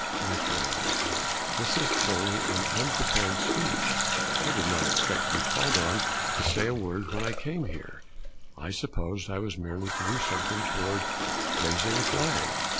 My friends, this is wholly an unprepared speech. I did not expect to be called on to say a word when I came here. I supposed I was merely to do something toward raising a flag.